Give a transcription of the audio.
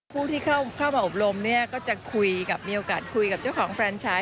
ผู้ที่เข้ามาอบรมก็จะมีโอกาสคุยกับเจ้าของเฟรนชาย